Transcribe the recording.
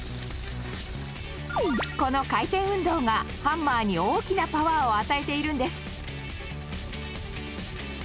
この回転運動がハンマーに大きなパワーを与えているんです。